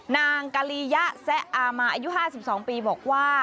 นางกะลียะแซะอามาอายุ๕๒ปีบอกว่า